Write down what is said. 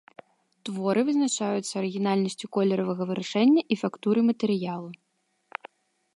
Творы вызначаюцца арыгінальнасцю колеравага вырашэння і фактуры матэрыялу.